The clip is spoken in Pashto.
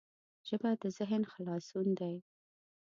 ژبه د ذهن خلاصون دی